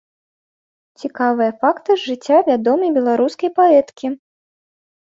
Цікавыя факты з жыцця вядомай беларускай паэткі.